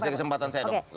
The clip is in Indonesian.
kasih kesempatan saya dong